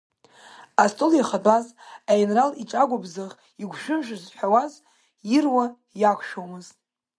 Астол иахатәаз, Аинрал иҿагәыбзыӷ игәшәымшәа зҳәауаз, ируа иақәшәомызт.